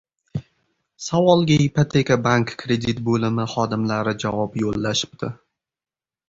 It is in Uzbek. Savolga Ipoteka bank kredit boʻlimi xodimlari javob yoʻllashibdi.